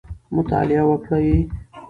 مطالعه وکړئ.